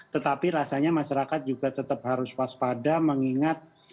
tetapi rasanya masyarakat juga tetap harus waspada mengingat